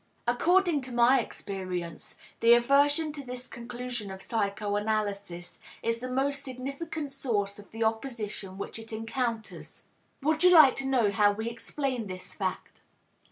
According to my experience, the aversion to this conclusion of psychoanalysis is the most significant source of the opposition which it encounters. Would you like to know how we explain this fact?